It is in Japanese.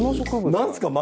何ですか？